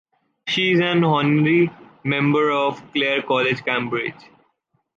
She is an honorary member of Clare College, Cambridge.